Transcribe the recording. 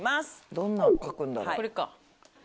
どんなの書くんだろう？